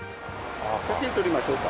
写真撮りましょうか？